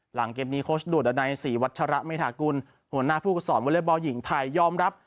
หลังเกมนี้โค้ชด่วนดันัยศรีวัชระเมธากุลหัวหน้าผู้สอนวอเล็กบอลหญิงไทยยอมรับ